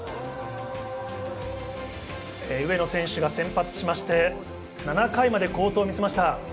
上野選手が先発して、７回まで好投を見せました。